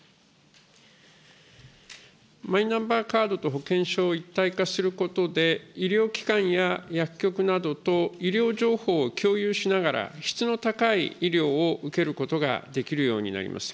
マイナンバーカードと保険証を一体化することで、医療機関や薬局などと、医療情報を共有しながら、質の高い医療を受けることができるようになります。